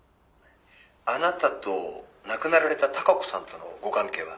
「あなたと亡くなられた孝子さんとのご関係は？」